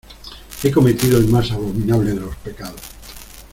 he cometido el más abominable de los pecados: